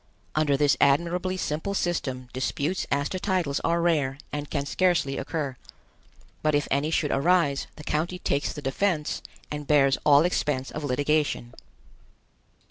Under this admirably simple system disputes as to titles are rare and can scarcely occur; but if any should arise, the county takes the defense and bears all expense of litigation.